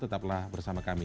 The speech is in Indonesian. tetaplah bersama kami